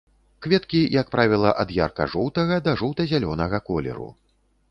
Кветкі, як правіла, ад ярка-жоўтага да жоўта-зялёнага колеру.